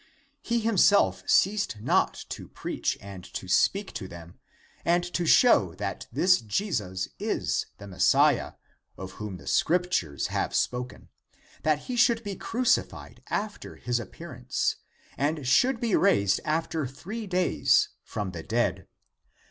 He himself ceased not to preach and to speak to them and to show that this Jesus is the Messiah, of whom the Scriptures have spoken,^ that he should be crucified after his appearance and should be raised after three days from the dead.